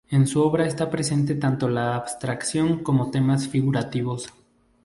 En su obra está presente tanto la abstracción como temas figurativos.